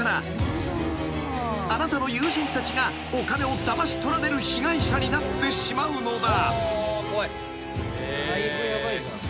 ［あなたの友人たちがお金をだまし取られる被害者になってしまうのだ］